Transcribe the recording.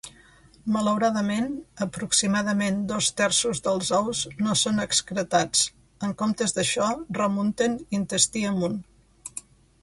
Malauradament, aproximadament dos terços dels ous no són excretats, en comptes d'això remunten intestí amunt.